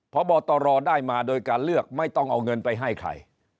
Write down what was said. พบตรได้มาโดยการเลือกไม่ต้องเอาเงินไปให้ใคร